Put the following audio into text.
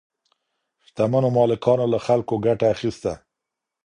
شتمنو مالکانو له خلګو ګټه اخیسته.